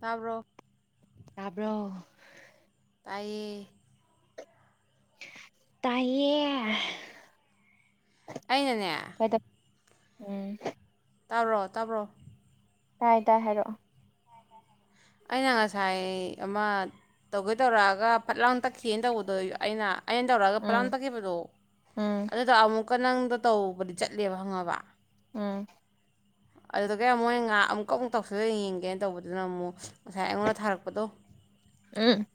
ꯇꯥꯕ꯭ꯔꯣ ꯇꯥꯕ꯭ꯔꯣ ꯇꯥꯏꯌꯦ ꯇꯥꯏꯌꯦ ꯑꯩꯅꯅꯦ ꯀꯣꯏꯗ ꯎꯝ ꯇꯥꯔꯣ ꯇꯥꯕ꯭ꯔꯣ ꯇꯥꯏ ꯇꯥꯏ ꯍꯥꯏꯔꯛꯑꯣ ꯑꯩꯅ ꯉꯁꯥꯏ ꯑꯃ ꯇꯧꯒꯦ ꯇꯧꯔꯛꯑꯒ ꯐꯠ ꯂꯥꯎ ꯇꯠꯈꯤꯑꯦꯅ ꯇꯧꯕꯗꯣ ꯑꯩꯅ ꯑꯩꯅ ꯇꯧꯔꯛꯑꯒ ꯄꯠ ꯂꯥꯎ ꯎꯝ ꯇꯠꯈꯤꯕꯗꯣ ꯎꯝ ꯑꯗꯨꯗꯣ ꯑꯃꯨꯛ ꯀ ꯅꯪꯗ ꯇꯧꯕꯗꯤ ꯆꯠꯂꯦꯕ ꯈꯪꯉꯕ ꯎꯝ ꯑꯗꯨꯗꯒꯤ ꯃꯣꯏꯅ ꯉꯍꯥꯛ ꯑꯃꯨꯛꯀꯃꯨꯛ ꯇꯧꯁꯤꯜꯂ ꯌꯦꯡꯒꯦꯅ ꯇꯧꯕꯗꯨꯅ ꯑꯃꯨꯛ ꯉꯁꯥꯏ ꯑꯩꯉꯣꯟꯗ ꯊꯥꯔꯛꯄꯗꯣ ꯎꯝ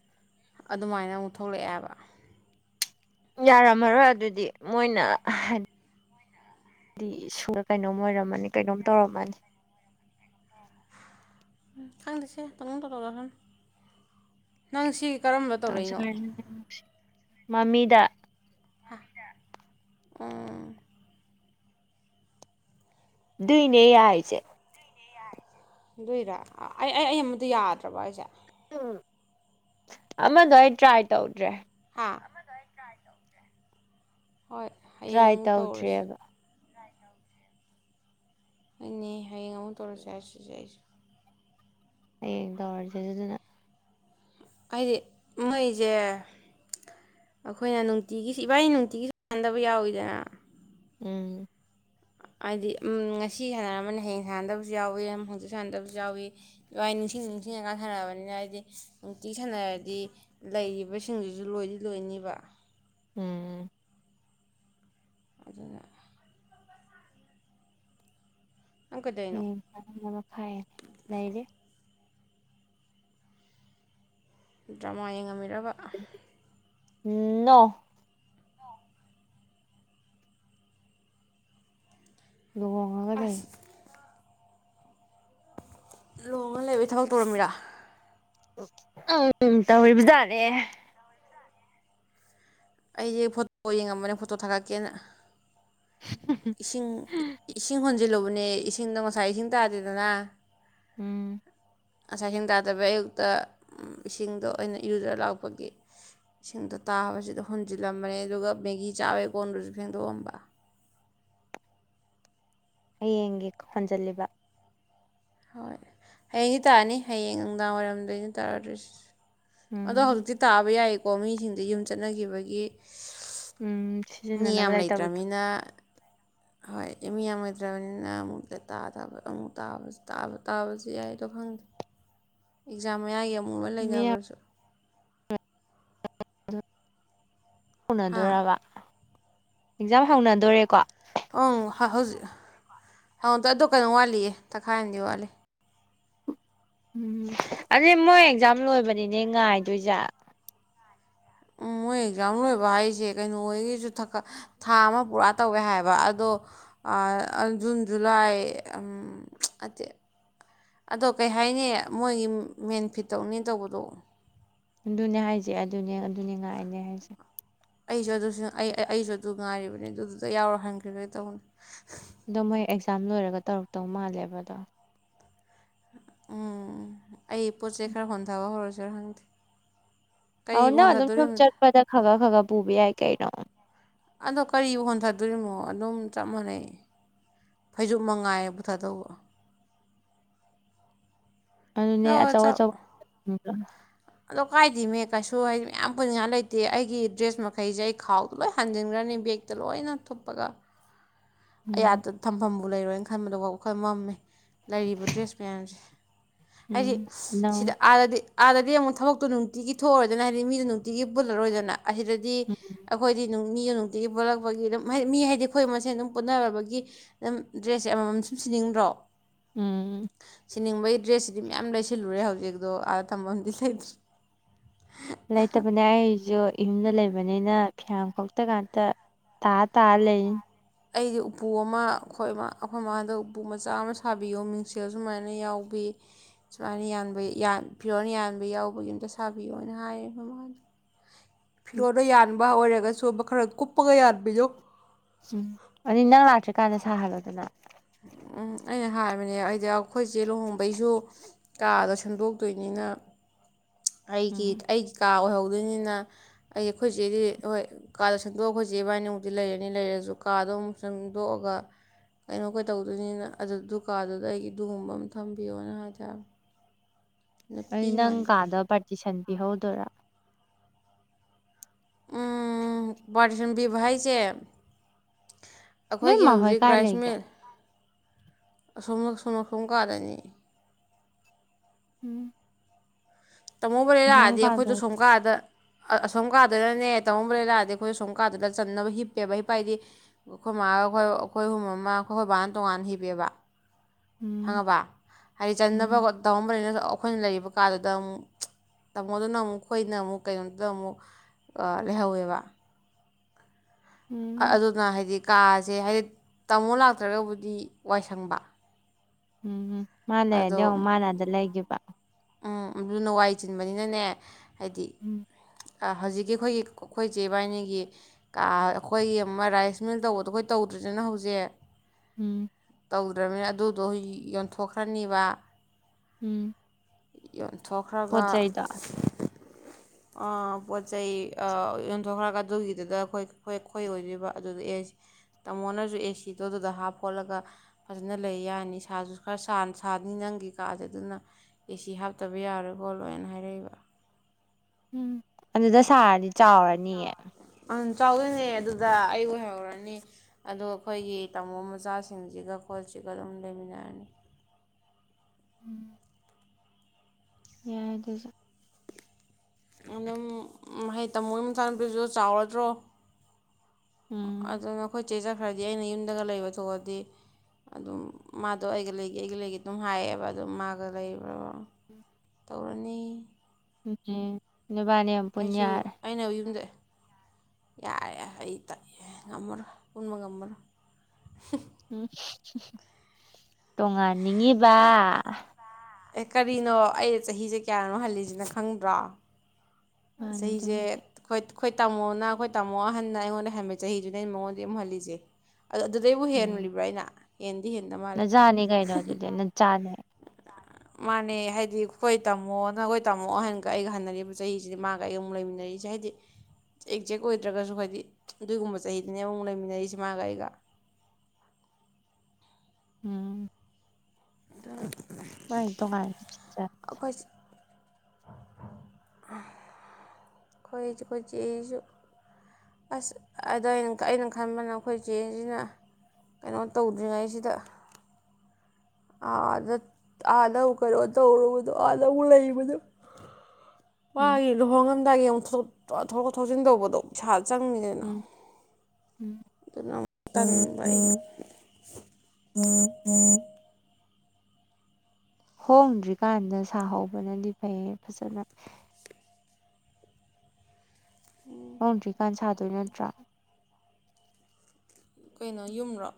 ꯑꯗꯨꯃꯥꯏꯅ ꯑꯃꯨꯛ ꯊꯣꯛꯂꯛꯑꯦꯕ ꯌꯥꯔꯝꯃꯔꯣꯏ ꯑꯗꯨꯗꯤ ꯃꯣꯏꯅ ꯍꯥꯏꯗꯤ ꯀꯩꯅꯣꯝ ꯑꯣꯏꯔꯝꯃꯅꯤ ꯀꯩꯅꯣꯝ ꯇꯧꯔꯝꯃꯅꯤ ꯎꯝ ꯈꯪꯗꯁꯦ ꯇꯧꯅꯤꯡ ꯇꯧꯖꯔꯁꯅꯨ ꯅꯪꯁꯤ ꯀꯔꯝꯕ ꯇꯧꯔꯤꯁꯦ ꯇꯧꯔꯛꯏꯅꯣ ꯃꯃꯤꯗ ꯎꯝ ꯗꯨꯏꯅꯦ ꯌꯥꯏꯁꯦ ꯑꯗꯨꯏꯔ ꯑꯩ ꯑꯩ ꯑꯩ ꯑꯃꯗ ꯌꯥꯗ꯭ꯔꯕ ꯍꯥꯏꯁꯦ ꯎ ꯑꯃꯗꯣ ꯑꯩ ꯇ꯭ꯔꯥꯏ ꯇꯧꯗ꯭ꯔꯦ ꯍꯥ ꯍꯣꯏ ꯍꯌꯦꯡ ꯇ꯭ꯔꯥꯏ ꯑꯃꯨꯛ ꯇꯧꯔꯁꯤ ꯇꯧꯗ꯭ꯔꯤꯑꯦꯕ ꯍꯣꯏꯅꯦ ꯍꯌꯦꯡ ꯇꯧꯔꯁꯤ ꯍꯥꯏꯁꯤꯁꯦ ꯑꯩꯁꯨ ꯍꯌꯦꯡ ꯇꯧꯔꯖꯦ ꯑꯗꯨꯗꯨꯅ ꯍꯥꯏꯗꯤ ꯃꯩꯖꯦ ꯑꯩꯈꯣꯏꯅ ꯅꯨꯡꯇꯤꯒꯤ ꯏꯕꯥꯅꯤ ꯅꯨꯡꯇꯤꯒꯤ ꯁꯥꯟꯗꯕ ꯌꯥꯎꯋꯤꯗꯅ ꯎꯝ ꯍꯥꯏꯗꯤ ꯉꯁꯤ ꯁꯥꯟꯅꯔꯝꯕꯅꯤꯅ ꯍꯌꯦꯡ ꯁꯥꯟꯅꯗꯕꯁꯨ ꯌꯥꯎꯏꯤ ꯍꯣꯡꯆꯤꯠ ꯁꯥꯟꯅꯗꯕꯁꯨ ꯍꯥꯏꯗꯤ ꯎꯝ ꯉꯁꯤ ꯁꯥꯅꯔꯝꯃꯅꯤ ꯍꯌꯦꯡ ꯁꯥꯟꯅꯗꯕꯁꯨ ꯌꯥꯎꯏ ꯍꯥꯡꯆꯤꯠ ꯁꯥꯟꯅꯗꯕꯁꯨ ꯌꯥꯎꯏ ꯏꯕꯥꯅꯤ ꯅꯤꯡꯁꯤꯡ ꯅꯤꯡꯁꯤꯡꯉꯀꯥꯟ ꯁꯥꯟꯅꯔꯕꯅꯤꯅ ꯍꯥꯏꯗꯤ ꯅꯨꯡꯇꯤꯒꯤ ꯁꯥꯟꯅꯔꯗꯤ ꯂꯩꯔꯤꯕꯁꯤꯡꯗꯨꯁꯨ ꯂꯣꯏꯗꯤ ꯂꯣꯏꯅꯤꯕ ꯎꯝ ꯑꯗꯨꯅ ꯅꯪ ꯀꯩꯗꯧꯔꯤꯅꯣ ꯎꯝ [unintelligible] ꯐꯥꯏꯑꯦ ꯂꯩꯔꯤ ꯗ꯭ꯔꯃꯥ ꯌꯦꯡꯉꯝꯃꯤ ꯂꯩꯕꯥꯛ [unintelligible] ꯎꯝ ꯅꯣ ꯂꯨꯍꯣꯡꯉꯒ ꯂꯩ ꯑꯁ ꯂꯣꯡꯉ ꯂꯩꯕꯩ ꯊꯕꯛ ꯇꯧꯔꯝꯃꯤꯔꯥ ꯎꯝ ꯇꯧꯔꯤꯕꯖꯥꯠꯅꯦ ꯑꯩꯖꯦ ꯐꯣꯇꯣ ꯌꯦꯡꯉꯝꯕꯅꯦ ꯐꯣꯇꯣ ꯊꯥꯒꯠꯀꯦꯅ ꯏꯁꯤꯡ ꯏꯁꯤꯡ ꯍꯣꯟ ꯍꯣꯟꯖꯤꯜꯂꯨꯕꯅꯦ ꯏꯁꯤꯡꯗꯣ ꯉꯁꯥꯏ ꯏꯁꯤꯡ ꯇꯥꯗꯦꯗꯅ ꯎꯝ ꯉꯁꯥꯏ ꯏꯁꯤꯡ ꯇꯗꯕꯩ ꯑꯌꯨꯛꯇ ꯏꯁꯤꯡꯗꯣ ꯑꯩꯅ ꯏꯔꯨꯖꯔ ꯂꯥꯛꯄꯒꯤ ꯏꯁꯤꯡꯗꯣ ꯇꯥꯕꯁꯤꯗ ꯍꯨꯟꯖꯤꯜꯂꯝꯕꯅꯦ ꯑꯗꯨꯒ ꯃꯦꯒꯤ ꯆꯥꯕꯩ ꯀꯣꯟꯗꯨꯁꯨ ꯐꯦꯡꯗꯣꯛꯑꯝꯕ ꯍꯌꯦꯡꯒꯤ ꯍꯣꯟꯖꯤꯜꯂꯤꯕ ꯍꯣꯏ ꯍꯌꯦꯡꯗꯤ ꯇꯥꯅꯤ ꯍꯌꯦꯡ ꯅꯨꯡꯗꯥꯡꯋꯥꯏꯔꯝꯗꯩꯅ ꯇꯔꯗꯣꯏꯁꯦ ꯑꯗꯣ ꯎꯝ ꯍꯧꯖꯤꯛꯇꯤ ꯇꯥꯕ ꯌꯥꯏ ꯀꯣꯃꯤꯁꯤꯡꯗ ꯌꯨꯝ ꯆꯠꯅꯈꯤꯕꯒꯤ ꯎꯝ ꯃꯤ ꯁꯤꯖꯤꯟꯅꯅꯕ ꯌꯥꯝ ꯂꯩꯇꯕꯗꯣ ꯂꯩꯇ꯭ꯔꯕꯅꯤꯅ ꯍꯣꯏ ꯃꯤ ꯌꯥꯝꯃꯨꯗ꯭ꯔꯕꯅꯤꯅ ꯑꯃꯨꯛꯇꯥꯗꯕ ꯑꯃꯛ ꯇꯥꯕ ꯇꯥꯕꯥꯁꯨ ꯌꯥꯏ ꯑꯗꯣ ꯈꯪꯗꯣ ꯑꯦꯀꯖꯝ ꯃꯌꯥꯏꯒꯤ ꯑꯃꯨꯛ ꯃꯨꯕꯥ ꯂꯩꯅꯕ꯭ꯔꯁꯨ ꯑꯝ [inaudible] ꯍꯥ ꯎꯟꯅꯗꯣꯔꯕ ꯑꯦꯛꯖꯥꯝ ꯍꯧꯅꯗꯣꯔꯦꯀꯣ ꯍꯧꯇꯗꯣ ꯀꯩꯅꯣ ꯋꯥꯠꯂꯤꯌꯦ ꯊꯈꯥꯏ ꯑꯃꯗꯤ ꯋꯥꯠꯂꯤ ꯎꯝ ꯑꯗꯨꯗꯤ ꯃꯣꯏ ꯑꯦꯛꯖꯥꯝ ꯂꯣꯏꯕꯅꯤꯅꯦ ꯉꯥꯏꯗꯣꯏꯖꯦ ꯎꯝ ꯃꯣꯏ ꯑꯦꯛꯖꯥꯝ ꯂꯣꯏꯕ ꯍꯥꯏꯁꯦ ꯀꯩꯅꯣꯍꯣꯌꯒꯤꯁꯨ ꯊꯥ ꯑꯃ ꯄꯨꯔꯥ ꯇꯧꯋꯦ ꯍꯥꯏꯕ ꯑꯗꯣ ꯑꯥ ꯖꯨꯟ ꯖꯨꯂꯥꯏ ꯎꯝ ꯑꯠꯇꯦ ꯑꯗꯣ ꯀꯩ ꯍꯥꯏꯅꯤ ꯃꯣꯏꯒꯤ ꯃꯦꯟꯐꯤꯠ ꯇꯧꯅꯤ ꯇꯧꯕꯗꯣ ꯑꯗꯨꯅꯦ ꯍꯥꯏꯁꯦ ꯑꯗꯨꯅꯦ ꯑꯗꯨꯅꯦ ꯉꯥꯏꯅꯦ ꯍꯥꯏꯁꯦ ꯑꯩꯁꯨ ꯑꯗꯨꯁꯨ ꯑꯩ ꯑꯩꯁꯨ ꯑꯗꯨ ꯉꯥꯏꯔꯤꯕꯅꯦ ꯑꯗꯨꯗꯨꯗ ꯌꯥꯎꯔ ꯍꯟꯈ꯭ꯔꯒꯦ ꯇꯧꯕꯅꯦ ꯑꯗꯣ ꯃꯣꯏ ꯑꯦꯛꯖꯥꯝ ꯂꯣꯏꯔꯒ ꯇꯧꯔꯛꯇꯧ ꯃꯥꯜꯂꯦꯕ ꯑꯗꯣ ꯎꯝ ꯑꯩ ꯄꯣꯠ ꯆꯩ ꯈꯔ ꯍꯣꯟꯊꯕ ꯍꯧꯔꯁꯤꯔ ꯈꯪꯗꯦ [unintelligible] ꯀꯔꯤꯕꯨ ꯑꯗꯨꯅ ꯑꯗꯨꯝ ꯌꯨꯝ ꯍꯣꯟꯊꯗꯣꯔꯤꯕꯅꯣ ꯆꯠꯄꯗ ꯈꯒ ꯈꯒ ꯄꯨꯕ ꯌꯥꯏ ꯀꯩꯅꯣ ꯑꯗꯣ ꯀꯔꯤꯕꯨ ꯍꯣꯟꯊꯗꯣꯔꯤꯅꯣ ꯑꯗꯨꯝ ꯆꯞ ꯃꯥꯟꯅꯩ ꯐꯩꯖꯨꯞ ꯃꯉꯥꯏ ꯄꯨꯊꯗꯧꯕ ꯑꯗꯨꯅꯦ ꯂꯧꯔ ꯑꯆꯧ ꯑꯆꯧꯕ ꯆꯠꯂꯣ ꯎꯝ ꯎꯝ ꯑꯗꯣ ꯀꯥꯏꯗꯦꯃꯦ ꯀꯩꯁꯨ ꯍꯥꯏꯗꯤ ꯃꯌꯥꯝ ꯄꯨꯅꯤꯡꯉꯥꯏ ꯂꯩꯇꯦ ꯑꯩꯒꯤ ꯗ꯭ꯔꯦꯁ ꯃꯈꯩꯁꯦ ꯑꯩ ꯈꯥꯎꯗ ꯂꯣꯏ ꯍꯥꯅꯖꯤꯟꯈ꯭ꯔꯅꯤ ꯕꯦꯛꯇ ꯂꯣꯏꯅ ꯊꯨꯞꯄꯒ ꯑꯩ ꯎꯝ ꯑꯗ ꯊꯝꯐꯝꯕꯨ ꯂꯩꯔꯣꯏꯅ ꯈꯟꯕꯗꯕꯥꯎ ꯋꯥꯈꯜ ꯃꯥꯝꯃꯦ ꯂꯩꯔꯤꯕ ꯗ꯭ꯔꯦꯁ ꯃꯌꯥꯝꯁꯦ ꯎꯝ ꯍꯥꯏꯗꯤ ꯅꯪ ꯁꯤꯗ ꯑꯥꯗꯗꯤ ꯑꯥꯗꯗꯤ ꯑꯃꯨꯛ ꯊꯕꯛꯇꯣ ꯅꯨꯡꯇꯤꯒꯤ ꯊꯣꯛꯑꯔꯣꯏꯗꯕꯅꯤꯅꯥ ꯍꯥꯏꯗꯤ ꯃꯤꯗꯣ ꯇꯤꯒꯤ ꯄꯨꯜꯂꯔꯣꯏꯗꯅ ꯑꯁꯤꯗꯗꯤ ꯑꯈꯣꯏꯗꯤ ꯃꯤꯗꯣ ꯅꯨꯡꯇꯤꯒꯤ ꯄꯨꯜꯂꯛꯄꯒꯤ ꯑꯗꯨꯝ ꯍꯥꯏꯗꯤ ꯃꯤ ꯍꯥꯏꯗꯤ ꯑꯈꯣꯏ ꯃꯁꯦꯟ ꯑꯗꯨꯝ ꯄꯨꯟꯅꯔꯕꯒꯤ ꯑꯗꯨꯝ ꯗ꯭ꯔꯦꯁꯁꯦ ꯑꯃꯃꯝ ꯁꯨꯝ ꯁꯤꯅꯤꯡꯗ꯭ꯔꯣ ꯎꯝ ꯁꯤꯟꯅꯤꯡꯕꯩ ꯗ꯭ꯔꯦꯁꯁꯤꯗꯤ ꯃꯌꯥꯝ ꯂꯩꯁꯤꯜꯂꯨꯔꯦ ꯍꯧꯖꯤꯛꯗꯣ ꯑꯥꯗ ꯊꯝꯐꯝꯗꯤ ꯂꯩꯇ꯭ꯔꯤ ꯂꯩꯇꯕꯅꯦ ꯐꯤꯌꯥꯡꯈꯣꯛꯇ ꯉꯥꯀꯇꯥ ꯇꯥ ꯇꯥꯔ ꯂꯩꯅꯤ ꯑꯩꯗꯤ ꯎꯄꯨ ꯑꯃ ꯑꯈꯣꯏ ꯃꯥ ꯑꯈꯣꯏ ꯃꯃꯥꯗ ꯎꯄꯨ ꯃꯆꯥ ꯑꯃ ꯁꯥꯕꯤꯌꯨ ꯃꯤꯡꯁꯦꯜ ꯁꯨꯃꯥꯏꯅ ꯌꯥꯎꯕꯤ ꯁꯨꯃꯥꯏꯅ ꯌꯥꯟꯕꯤ ꯌꯥꯟ ꯐꯤꯌꯣꯔꯅ ꯌꯥꯟꯕ ꯌꯥꯎꯕꯒꯤ ꯑꯝꯇ ꯁꯥꯕꯤꯌꯣꯅ ꯍꯥꯏꯌꯦ ꯃꯃꯗ ꯐꯤꯔꯣꯟ ꯌꯥꯟ ꯕꯥ ꯑꯣꯏꯔꯒꯁꯨꯕ ꯈꯔ ꯀꯨꯞꯄꯒ ꯌꯥꯟꯕꯤꯗꯣ ꯎꯝ ꯑꯅꯤ ꯅꯪ ꯂꯥꯛꯇ꯭ꯔꯤꯀꯥꯟꯗ ꯁꯥꯍꯜꯂꯣꯗꯅ ꯎꯝ ꯑꯩꯅ ꯍꯥꯏꯕꯅꯦ ꯑꯩꯗꯤ ꯑꯈꯣꯏ ꯆꯦ ꯂꯨꯍꯣꯡꯕꯩꯁꯨ ꯀꯥꯗꯣ ꯁꯦꯝꯗꯣꯛꯇꯣꯏꯅꯤꯅ ꯑꯩꯒꯤ ꯎꯝ ꯑꯩꯒꯤ ꯀꯥ ꯑꯣꯏꯍꯧ ꯗꯣꯏꯅꯤꯅ ꯑꯩꯖꯦ ꯈꯣꯏꯆꯦꯗꯤ ꯍꯣꯏ ꯀꯥꯗ ꯁꯦꯝꯗꯣꯛꯑ ꯑꯈꯣꯏꯆꯦ ꯏꯕꯥꯅꯤꯃꯛꯇꯤ ꯂꯩꯔꯅꯤ ꯂꯩꯔꯖꯨ ꯀꯥꯗꯣ ꯑꯃꯨꯛ ꯁꯦꯝꯗꯣꯛꯑꯒ ꯀꯩꯅꯣ ꯀꯩꯅꯣ ꯇꯧꯗꯣꯏꯅꯤꯅ ꯑꯗꯨ ꯗꯨꯀꯥꯗꯨꯗ ꯑꯩꯒꯤ ꯑꯗꯨꯒꯨꯝꯕ ꯑꯃ ꯊꯝꯕꯤꯌꯣꯅ ꯍꯥꯏꯇꯥꯔꯦ ꯑꯩ ꯅꯪ ꯀꯥꯗ ꯄꯔꯇꯤꯁꯟ ꯄꯤꯍꯧ ꯗꯣꯏꯔ ꯎꯝꯝ ꯕꯥꯔꯇꯤꯁꯟ ꯄꯤꯕ ꯍꯥꯏꯖꯦ ꯅꯣꯏ ꯑꯈꯣꯏꯒꯤ ꯃꯥꯍꯣꯏ ꯍꯧꯖꯤꯛ ꯀꯥꯏ ꯔꯥꯏꯁ ꯂꯩꯒꯦ ꯃꯤꯜ ꯑꯁꯣꯝꯅ ꯑꯁꯣꯝ ꯑꯁꯣꯝ ꯀꯥꯗꯅꯤ ꯎꯝ ꯇꯃꯣꯕ ꯂꯩ ꯂꯥꯛꯑꯗꯤ ꯑꯩꯈꯣꯏꯗꯣ ꯁꯣꯝ ꯀꯥꯗ ꯑꯁꯣꯝ ꯀꯥꯗꯨꯗꯅꯅꯦ ꯇꯥꯃꯣꯕ ꯂꯩ ꯂꯥꯛꯑꯗꯤ ꯑꯩꯈꯣꯏ ꯑꯁꯣꯝ ꯀꯥꯗꯨꯗ ꯆꯟꯅꯕ ꯍꯤꯞꯄꯦꯕ ꯍꯤꯞꯄ ꯍꯥꯏꯗꯤ ꯑꯩꯈꯣꯏ ꯃꯥꯒ ꯑꯩꯈꯣꯏ ꯑꯩꯈꯣꯏ ꯑꯍꯨꯝ ꯑꯃ ꯑꯩꯈꯣꯏ ꯕꯥꯅ ꯇꯣꯉꯥꯟꯅ ꯍꯤꯞꯄꯦꯕ ꯎꯝ ꯈꯪꯉꯥꯕ ꯍꯥꯏꯗꯤ ꯆꯟꯅꯕ ꯎꯝ ꯇꯃꯣꯕ ꯂꯩ ꯅꯖꯨ ꯑꯈꯣꯏꯅ ꯂꯩꯔꯤꯕ ꯀꯥꯗꯨꯗ ꯑꯃꯨꯛ ꯇꯥꯃꯣꯗꯨꯅ ꯑꯃꯨꯛ ꯑꯩꯈꯣꯏꯅ ꯑꯃꯨꯛ ꯀꯩꯅꯣꯗꯨꯗ ꯑꯃꯨꯛ ꯑ ꯂꯩꯍꯧꯋꯦꯕ ꯑ ꯎꯝ ꯑꯗꯨꯅ ꯍꯥꯏꯗꯤ ꯀꯥꯖꯦ ꯍꯥꯏꯗꯤ ꯇꯥꯃꯣ ꯂꯥꯛꯇ꯭ꯔꯒꯕꯨꯗꯤ ꯋꯥꯏꯁꯪꯕ ꯎꯝ ꯎꯝ ꯃꯥ ꯂꯩꯔꯗꯤ ꯑꯃꯨꯛ ꯃꯥꯅ ꯑꯗ ꯂꯩꯒꯤꯕ ꯎꯝ ꯑꯗꯨꯅ ꯋꯥꯏ ꯆꯤꯟꯕꯅꯤꯅꯅꯦ ꯍꯥꯏꯗꯤ ꯎꯝ ꯑ ꯍꯧꯖꯤꯛꯀꯤ ꯑꯈꯣꯏꯒꯤ ꯑꯈꯣꯏ ꯆꯦ ꯕꯥꯏꯅꯤꯒꯤ ꯀꯥ ꯑꯩꯈꯣꯏꯒꯤ ꯑꯃ ꯔꯥꯏꯁ ꯃꯤꯜ ꯇꯧꯕꯗꯣ ꯑꯩꯈꯣꯏ ꯇꯧꯗ꯭ꯔꯤꯖꯤꯅ ꯍꯧꯖꯤꯛ ꯎꯝ ꯇꯧꯗ꯭ꯔꯕꯅꯤꯅ ꯑꯗꯨꯗꯣ ꯌꯣꯟ ꯌꯣꯟꯊꯣꯛꯈ꯭ꯔꯅꯤꯕ ꯎꯝ ꯌꯣꯟ ꯄꯣꯠ ꯊꯣꯛꯈ꯭ꯔꯒ ꯆꯩꯗꯣ ꯑ ꯄꯣꯠ ꯆꯩ ꯑ ꯌꯣꯟꯊꯣꯛꯈ꯭ꯔꯒ ꯑꯗꯨꯒꯤꯗꯨꯗ ꯑꯩꯈꯣꯏ ꯈꯣꯏ ꯈꯣꯏ ꯑꯣꯏꯗꯣꯏꯕ ꯑꯗꯨꯗ ꯑꯦ ꯇꯥꯃꯣꯅꯖꯨ ꯑꯦ ꯁꯤꯗꯣ ꯑꯗꯨꯗ ꯍꯥꯞꯈꯣꯠꯂꯒ ꯐꯖꯅ ꯂꯩ ꯌꯥꯅꯤ ꯁꯥꯖꯨ ꯈꯔ ꯁꯥ ꯁꯥꯅꯤ ꯅꯪꯒꯤ ꯀꯥꯥꯖꯦ ꯑꯗꯨꯅ ꯑꯦꯁꯤ ꯍꯥꯞꯇꯕ ꯌꯥꯔꯣꯏ ꯈꯣꯠꯂꯣꯏꯅ ꯍꯥꯏꯔꯛꯏꯕ ꯎꯝ ꯑꯗꯨꯗ ꯁꯥꯔꯗꯤ ꯆꯥꯎꯔꯅꯤꯌꯦ ꯎꯝ ꯆꯥꯎꯗꯣꯏꯅꯦ ꯑꯗꯨꯗ ꯑꯩ ꯑꯣꯏꯍꯧꯔꯅꯤ ꯑꯗꯣ ꯑꯈꯣꯏꯒꯤ ꯇꯥꯃꯣꯒꯤ ꯃꯆꯥꯁꯤꯡꯖꯤꯒ ꯈꯣꯠꯁꯤꯒ ꯑꯗꯨꯝ ꯂꯩꯃꯤꯟꯅꯔꯅꯤ ꯌꯥꯏ ꯑꯗꯨꯖꯨ ꯑꯗꯨꯝ ꯃꯍꯩ ꯇꯃꯣꯒꯤ ꯃꯆꯥ ꯅꯨꯨꯄꯤꯖꯨ ꯆꯥꯎꯔꯗ꯭ꯔꯣ ꯎꯝ ꯑꯗꯨꯅ ꯈꯣꯏ ꯆꯦ ꯆꯠꯈ꯭ꯔꯗꯤ ꯑꯩꯅ ꯌꯨꯝꯗꯒ ꯂꯩꯕ ꯊꯣꯛꯑꯗꯤ ꯑꯗꯨꯝ ꯃꯥꯗꯣ ꯑꯩꯒ ꯂꯩꯒꯦ ꯑꯩꯒ ꯂꯩꯒꯦ ꯑꯗꯨꯝ ꯍꯥꯏꯌꯦꯕ ꯑꯗꯨꯝ ꯃꯥꯒ ꯂꯩꯕ꯭ꯔꯥ ꯇꯧꯔꯅꯤ ꯍꯨꯝ ꯍꯨꯝ ꯅꯣꯏꯕꯥꯅꯤ ꯑꯃ ꯄꯨꯟ ꯑꯩꯁꯨ ꯌꯥꯔꯦ ꯑꯩꯅ ꯌꯨꯝꯗ ꯌꯥꯔꯦ ꯌꯥꯔꯦ ꯑꯩ ꯇꯜꯂꯤꯌꯦ ꯉꯝꯃꯔꯣꯏ ꯄꯨꯟꯕ ꯉꯝꯃꯔꯣꯏ ꯎꯝ ꯇꯣꯉꯥꯟ ꯅꯤꯡꯉꯤꯕ ꯑꯦ ꯀꯔꯤꯅꯣ ꯑꯩ ꯆꯍꯤꯁꯦ ꯀꯌꯥꯅꯣ ꯍꯜꯂꯤꯖꯦ ꯅꯪ ꯈꯪꯗ꯭ꯔꯣ ꯃꯥꯅꯦ ꯆꯍꯤꯁꯦ ꯑꯗꯨꯕꯨꯗꯤ ꯑꯩꯈꯣꯏ ꯑꯩꯈꯣꯏ ꯇꯥꯃꯣꯅ ꯑꯩꯈꯣꯏ ꯇꯥꯃꯣ ꯑꯍꯟꯅ ꯑꯩꯉꯣꯟꯗꯩ ꯍꯟꯕ ꯆꯍꯤꯗꯨꯅ ꯑꯩꯅ ꯃꯉꯣꯟꯗꯩ ꯑꯃꯨꯛ ꯍꯜꯂꯤꯁꯦ ꯑꯗ ꯑꯗꯩ ꯃꯨꯛ ꯎꯝ ꯍꯦꯟꯨꯂꯤꯕ꯭ꯔꯥ ꯑꯩꯅ ꯑꯦꯟ ꯅꯆꯥꯅꯤ ꯀꯩꯅꯣ ꯑꯗꯨꯗꯤ ꯅꯆꯥꯅꯦ ꯃꯥꯅꯦ ꯍꯥꯏꯗꯤ ꯑꯩꯈꯣꯏ ꯇꯝꯃꯣꯗ ꯑꯩꯈꯣꯏ ꯇꯝꯃꯣ ꯑꯍꯥꯟꯒ ꯑꯩꯒ ꯍꯟꯅꯔꯤꯕ ꯆꯍꯤꯁꯦ ꯁꯤꯗꯤ ꯃꯥꯒ ꯑꯩꯒ ꯑꯃꯨꯛ ꯂꯩꯃꯤꯟꯅꯔꯤꯁꯦ ꯍꯥꯏꯗꯤ ꯑꯦꯛꯖꯦꯛ ꯑꯣꯏꯗ꯭ꯔꯒꯁꯨ ꯍꯥꯏꯗꯤ ꯑꯗꯨꯒꯨꯝꯕ ꯆꯍꯤꯗꯅꯦ ꯑꯃꯨꯛ ꯂꯩꯃꯤꯟꯅꯔꯤꯁꯦ ꯃꯥꯒ ꯑꯩꯒ ꯎꯝ ꯃꯥꯏꯗꯤ ꯇꯣꯡꯉꯥꯟ ꯆꯥ ꯑꯩꯈꯣꯏ ꯑꯩꯈꯣꯏ ꯑꯩꯈꯣꯏ ꯆꯦꯁꯨ ꯑꯁ ꯑꯗꯣ ꯑꯩꯅ ꯈꯟꯕꯅ ꯑꯩꯈꯣꯏ ꯏꯆꯦꯁꯤꯅ ꯀꯩꯅꯣ ꯇꯧꯗ꯭ꯔꯤꯉꯩꯁꯤꯗ ꯑꯥꯗ ꯑꯥ ꯑꯃꯨꯛ ꯀꯩꯅꯣ ꯇꯧꯔꯨꯕꯗꯣ ꯑꯥꯗ ꯑꯃꯨꯛ ꯂꯩꯕꯗꯣ ꯎꯝ ꯋꯥꯏ ꯂꯨꯍꯣꯡꯉꯝ ꯗꯥꯏꯒꯤ ꯑꯃꯨ ꯊꯣ ꯊꯣꯛꯂꯛ ꯊꯣꯛꯆꯤꯟ ꯇꯧꯕꯗꯣ ꯏꯁꯥ ꯆꯪꯅꯤꯀꯩꯅꯣ ꯎꯝ ꯎꯝ ꯗꯅꯥꯎ ꯇꯟꯕ ꯑꯩ [inaudible] ꯍꯣꯡꯗ꯭ꯔꯤꯀꯥꯟꯗ ꯁꯥꯍꯧꯕꯅꯗꯤ ꯐꯩꯍꯦ ꯐꯖꯟꯅ ꯉꯧꯗ꯭ꯔꯤꯀꯥꯟ ꯁꯥꯗꯣꯏ ꯅꯠꯇ꯭ꯔꯥ ꯀꯩꯅꯣ ꯌꯨꯝꯔꯣ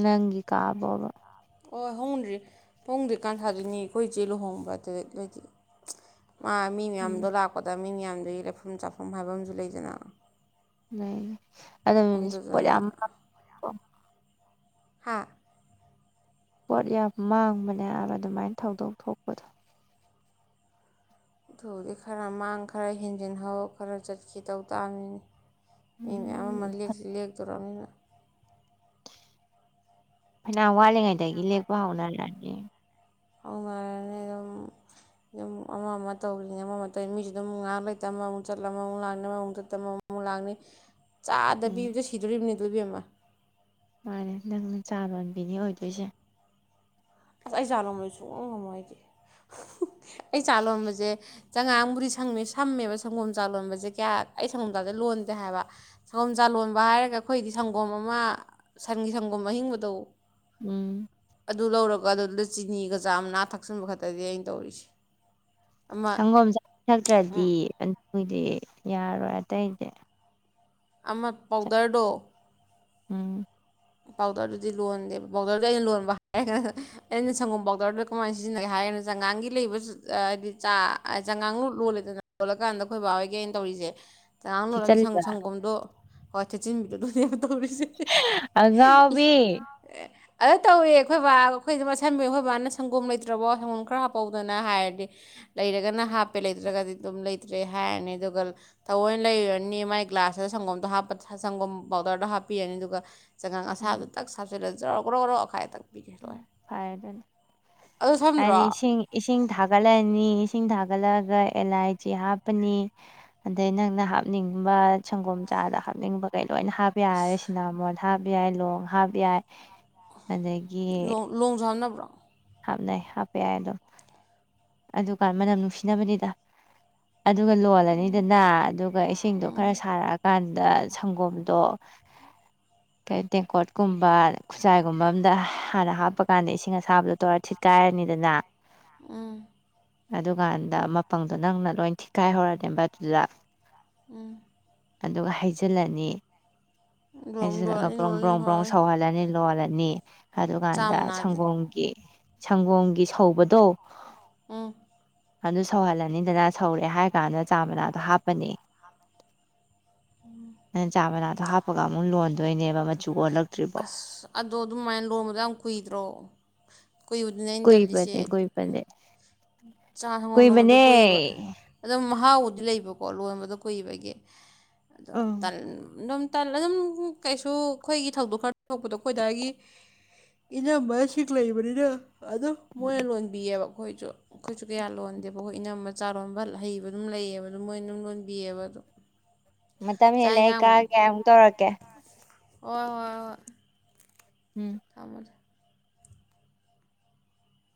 ꯅꯪꯒꯤ ꯀꯥꯕꯣꯕ ꯍꯣꯏ ꯍꯣꯡꯗ꯭ꯔꯤ ꯍꯣꯡꯗ꯭ꯔꯤꯀꯥꯟ ꯊꯗꯣꯏꯅꯦ ꯑꯩꯈꯣꯏꯆꯦ ꯂꯨꯍꯣꯡꯕ ꯑꯗꯨꯂꯣꯏꯗꯤ ꯃꯥ ꯃꯤ ꯃꯌꯥꯝꯗꯣ ꯂꯥꯛꯄꯗ ꯃꯤꯡ ꯌꯥꯝꯗꯨꯒꯤ ꯂꯩꯐꯝ ꯆꯥꯐꯝ ꯍꯥꯏꯕ ꯑꯃꯁꯨ ꯂꯩꯗꯅ ꯎꯝ ꯑꯗꯨꯗꯨꯅ [unintelligible] ꯍꯥ ꯄꯣꯠ ꯌꯥꯝ ꯃꯥꯡꯕꯅꯦ ꯍꯥꯏꯕ ꯑꯗꯨꯃꯥꯏꯅ ꯊꯧꯗꯣꯛ ꯊꯣꯛꯄꯗꯣ ꯗꯨꯗꯤ ꯈꯔ ꯃꯥꯡ ꯈꯔ ꯍꯦꯟꯖꯤꯟꯍꯧ ꯈꯔ ꯆꯠꯈꯤ ꯇꯧ ꯇꯥꯕꯅꯤꯅꯦ ꯃꯤ ꯃꯌꯥꯝ ꯑꯃ ꯎꯝ ꯂꯦꯛꯇꯤ ꯂꯦꯛꯇꯣꯔꯝꯅꯤꯅ ꯐꯩꯅꯥꯝ ꯋꯥꯠꯂꯤꯉꯩꯗꯒꯤ ꯂꯦꯛꯄ ꯍꯧꯅꯔꯦ ꯍꯥꯏꯕꯅꯦ ꯉꯥꯏꯔꯅꯤ ꯑꯗꯨꯝ ꯑꯗꯨꯝ ꯑꯃ ꯑꯃ ꯇꯧꯔꯤꯅꯦ ꯑꯃ ꯑꯃ ꯇꯧꯔꯤ ꯃꯤꯁꯨ ꯑꯗꯨꯝ ꯉꯥꯏꯍꯥꯛ ꯂꯩꯇ ꯑꯃ ꯑꯃꯨꯛ ꯆꯠ ꯑꯃ ꯑꯃꯨꯛ ꯂꯥꯛꯅꯤ ꯑꯃꯨꯛ ꯆꯠ ꯑꯃꯃꯨꯛ ꯂꯥꯛꯅꯤ ꯆꯥꯗ ꯎꯝ ꯄꯤꯕꯗ ꯁꯤꯗꯣꯔꯤꯕꯅꯤ ꯗꯨ ꯕꯦꯝꯃ ꯃꯥꯅꯦ ꯅꯪꯅ ꯆꯥ ꯂꯣꯟꯕꯤꯅꯤ ꯑꯣꯏꯗꯣꯏꯁꯦ ꯑꯁ ꯑꯩ ꯆꯥ ꯂꯣꯟꯕꯗꯤ ꯁꯨꯛꯉꯝ ꯉꯝꯃꯣꯏ ꯑꯩꯗꯤ ꯑꯩ ꯆꯥ ꯂꯣꯟꯕꯁꯦ ꯆꯉꯥꯡꯕꯨꯗꯤ ꯁꯝꯃꯦ ꯁꯝꯃꯦꯕ ꯁꯪꯒꯣꯝ ꯆꯥ ꯂꯣꯟꯕꯁꯦ ꯀꯌꯥ ꯑꯩ ꯁꯪꯒꯣꯝ ꯆꯥꯁꯦ ꯂꯣꯟꯗꯦ ꯍꯥꯏꯕ ꯁꯪꯒꯣꯝ ꯆꯥ ꯂꯣꯟꯕ ꯍꯥꯏꯔꯒ ꯑꯩꯈꯣꯏꯗꯤ ꯁꯪꯒꯣꯝ ꯑꯃ ꯁꯟꯒꯤ ꯁꯪꯒꯣꯝ ꯑꯍꯤꯡꯕꯗꯣ ꯎꯝ ꯑꯗꯨ ꯂꯧꯔ ꯑꯗꯨꯗ ꯆꯤꯅꯤꯒ ꯆꯥ ꯃꯅꯥ ꯊꯥꯛꯆꯟꯕ ꯈꯛꯇꯅꯤ ꯑꯩꯅ ꯇꯧꯔꯤꯁꯦ ꯑꯃ ꯁꯪꯒꯣꯝ ꯆꯥ ꯅꯠꯇ꯭ꯔꯗꯤ ꯑꯩꯗꯤ ꯌꯥꯔꯣꯏ ꯑꯇꯩꯗꯤ ꯑꯃ ꯄꯥꯎꯗꯔꯗꯣ ꯎꯝ ꯄꯥꯎꯗꯔꯗꯨꯗꯤ ꯂꯣꯟꯗꯦꯕ ꯄꯥꯎꯗꯔꯗꯨ ꯑꯩꯅ ꯂꯣꯟꯕ ꯍꯥꯏꯔꯒꯅ ꯑꯩꯅ ꯁꯪꯒꯣꯝ ꯄꯥꯎꯗꯔꯗꯨꯗ ꯀꯃꯥꯏꯅ ꯁꯤꯖꯤꯟꯅꯒꯦ ꯍꯥꯏꯔꯒꯅ ꯆꯥꯉꯥꯡꯒꯤ ꯂꯩꯕ ꯍꯥꯏꯗꯤ ꯆꯥ ꯆꯉꯥꯡ ꯂꯣꯜꯂꯦꯗꯅ ꯂꯣꯜꯂꯀꯥꯟꯗ ꯑꯩꯈꯣꯏ ꯕꯥ ꯍꯣꯏꯒꯤ ꯑꯩꯅ ꯇꯧꯔꯤꯁꯦ ꯆꯥꯉꯥꯡ ꯂꯣꯜꯂꯗꯤ ꯊꯤꯠꯆꯜꯂꯤꯕ ꯁꯪꯁꯪꯒꯣꯝꯗꯣ ꯍꯣꯏ ꯊꯤꯠꯆꯤꯟ ꯗꯨ ꯅꯦꯕ ꯇꯧꯔꯤꯁꯦ ꯑꯉꯥꯎꯕꯤ ꯑꯦ ꯑꯗ ꯇꯧꯏꯋꯦ ꯑꯩꯈꯣꯏ ꯕꯥ ꯑꯩꯈꯣꯏ ꯃꯁꯟꯕꯤ ꯑꯩꯈꯣꯏ ꯕꯥꯅ ꯁꯪꯒꯣꯝ ꯂꯩꯇ꯭ꯔꯕꯣ ꯁꯪꯒꯣꯝ ꯈꯔ ꯍꯥꯞꯄꯛꯎꯗꯅ ꯍꯥꯏꯔꯗꯤ ꯂꯩꯔꯒꯅ ꯍꯥꯞꯄꯦ ꯂꯩꯇ꯭ꯔꯒꯗꯤ ꯑꯗꯨꯝ ꯂꯩꯇ꯭ꯔꯦ ꯍꯥꯏꯔꯅꯤ ꯑꯗꯨꯒ ꯊꯑꯣꯏꯅ ꯂꯩꯔꯨꯔꯅꯤ ꯃꯥꯏ ꯒ꯭ꯂꯥꯁꯇ ꯁꯪꯒꯣꯝꯗꯣ ꯍꯥꯞꯄ ꯁꯪꯒꯣꯝ ꯄꯥꯎꯗꯔꯗꯣ ꯍꯥꯞꯄꯤꯔꯅꯤ ꯑꯗꯨꯒ ꯆꯉꯥꯡ ꯎꯝ ꯑꯁꯥꯕ ꯇꯛ ꯁꯥ ꯖꯔ ꯒ꯭ꯔꯣ ꯒ꯭ꯔꯣ ꯑꯣꯈꯥꯏꯕ ꯐꯔꯦ ꯑꯗꯨꯅ ꯑꯗꯨ ꯍꯥꯏꯗꯤ ꯁꯝꯗ꯭ꯔꯣ ꯏꯁꯤꯡ ꯏꯁꯤꯡ ꯊꯥꯒꯠꯂꯅꯤ ꯏꯁꯤꯡ ꯊꯥ ꯍꯥꯒꯠꯂꯒ ꯑꯦꯂꯥꯏꯆꯤ ꯍꯥꯞꯄꯅꯤ ꯑꯗꯩ ꯅꯪꯅ ꯍꯥꯞꯅꯤꯡꯕ ꯁꯪꯒꯣꯝ ꯆꯥꯗ ꯍꯥꯞꯅꯤꯡꯕ ꯒꯩ ꯂꯣꯏꯅ ꯍꯥꯞꯄ ꯌꯥꯔꯦ ꯁꯤꯅꯥꯃꯣꯟ ꯍꯥꯞꯄ ꯌꯥꯏ ꯂꯣꯡ ꯍꯥꯞ ꯌꯥꯏ ꯑꯗꯒꯤ ꯂꯣꯡ ꯂꯣꯡꯁꯨ ꯍꯥꯞꯅꯕ꯭ꯔꯣ [unintelligible] ꯍꯥꯞꯅꯩ ꯍꯥꯞꯄ ꯌꯥꯏ ꯑꯗꯨꯝ ꯑꯗꯨꯀꯥꯟ ꯃꯅꯝ ꯅꯨꯡꯁꯤꯅꯕꯅꯤꯗ ꯑꯗꯨꯒ ꯂꯣꯜꯂꯅꯤꯗꯅ ꯑꯗꯨꯒ ꯏꯁꯤꯡꯗꯣ ꯈꯔ ꯁꯥꯔꯛꯑꯀꯥꯟꯗ ꯑꯗ ꯁꯪꯒꯣꯝꯗꯣ ꯀꯩ ꯇꯦꯡꯀꯣꯠꯀꯨꯝꯕ ꯈꯨꯖꯥꯏꯒꯨꯝꯕ ꯑꯝꯗ ꯍꯥꯟꯅ ꯍꯥꯞꯄ ꯀꯥꯟꯗ ꯏꯁꯤꯡ ꯑꯁꯥꯕꯗꯣ ꯇꯣꯔ ꯊꯤꯠꯀꯥꯏꯔꯅꯤꯗꯅ ꯎꯝ ꯑꯗꯨꯀꯥꯟꯗ ꯃꯄꯪꯗꯣ ꯅꯪꯅ ꯂꯣꯏ ꯊꯤꯈꯥꯏꯍꯧꯔꯅꯦꯕ ꯑꯗꯨꯨꯗ ꯎꯝ ꯑꯗꯨꯒ ꯍꯩꯖꯤꯜꯂꯅꯤ ꯂꯣꯡ ꯍꯩꯖꯤꯜꯂꯒ ꯂꯣꯜꯂꯅꯤ ꯕ꯭ꯔꯣꯡ ꯂꯣꯜꯂꯅꯤ ꯕ꯭ꯔꯣꯡ ꯕ꯭ꯔꯣꯡ ꯂꯣꯜꯂꯅꯤ ꯁꯧꯍꯜꯂꯅꯤ ꯂꯣꯜꯂꯦ ꯅꯤ ꯑꯗꯨꯀꯥꯟꯗ ꯆꯥꯃꯅꯥꯗꯤ ꯁꯪꯒꯣꯝꯒꯤ ꯁꯪꯒꯣꯝꯒꯤ ꯁꯧꯕꯗꯣ ꯎꯝ ꯑꯗꯨ ꯁꯧꯍꯜꯂꯅꯤꯗꯅ ꯁꯧꯔꯦ ꯍꯥꯏꯔ ꯀꯥꯟꯗ ꯆꯥ ꯃꯅꯥꯗꯣ ꯍꯥꯞꯄꯅꯤ ꯑꯩꯅ ꯆꯥ ꯃꯥꯅꯥ ꯇꯍꯥꯞ ꯑꯗꯨꯒ ꯑꯃꯨꯛ ꯂꯣꯟꯗꯣꯏꯅꯦꯕ ꯃꯆꯨ ꯑꯣꯜꯂꯛꯇ꯭ꯔꯤꯕꯧ ꯑꯁ ꯑꯗꯣ ꯑꯗꯨꯃꯥꯏꯅ ꯂꯣꯡꯕꯗꯣ ꯌꯥꯝ ꯀꯨꯏꯗ꯭ꯔꯣ ꯀꯨꯏꯕꯗꯨꯅꯦ ꯑꯩꯅ ꯇꯜꯂꯤꯁꯦ ꯀꯨꯏꯕꯅꯦ ꯀꯨꯏꯕꯅꯦ ꯆꯥꯁꯒꯣꯝ ꯂꯣꯟꯕꯗꯣ ꯀꯨꯏꯕꯅꯦ ꯀꯨꯏꯕ ꯑꯗꯨꯝ ꯃꯍꯥꯎꯕꯨꯗꯤ ꯂꯩꯕꯀꯣ ꯂꯣꯟꯕꯗꯣ ꯀꯨꯏꯕꯒꯤ ꯑꯗꯣ ꯎꯝ ꯇꯜ ꯑꯗꯨꯝ ꯇꯜ ꯑꯗꯨꯝ ꯀꯩꯁꯨ ꯑꯩꯈꯣꯏꯒꯤ ꯊꯧꯗꯣꯛ ꯈꯔ ꯊꯣꯛꯄꯗꯣ ꯈꯣꯏꯗ꯭ꯋꯥꯢꯒꯤ ꯏꯅꯝꯕꯁꯤꯡ ꯂꯩꯕꯅꯤꯅ ꯑꯗꯨꯝ ꯃꯣꯏꯅ ꯂꯣꯟꯕꯤꯌꯦꯕ ꯑꯩꯈꯣꯏꯁꯨ ꯑꯩꯈꯣꯏꯁꯨ ꯀꯌꯥ ꯂꯣꯟꯗꯦꯕ ꯑꯩꯈꯣꯏ ꯏꯅꯝꯕ ꯆꯥꯔꯣꯟꯕ ꯍꯩꯕ ꯑꯗꯨꯝ ꯂꯩꯌꯦꯕ ꯑꯗꯨꯝ ꯃꯣꯏꯅ ꯑꯗꯨꯝ ꯂꯣꯟꯕꯤꯌꯦꯕ ꯑꯗꯨꯝ ꯃꯇꯝ ꯍꯦꯜꯂꯦ ꯑꯩ ꯀꯛꯑꯒꯦ ꯑꯃꯨꯛ ꯇꯧꯔꯛꯀꯦ ꯍꯣꯢ ꯍꯣꯢ ꯍꯣꯢ ꯎꯝ ꯑꯃꯗ